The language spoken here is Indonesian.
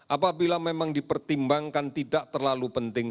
apabila memang dipertimbangkan tidak terlalu penting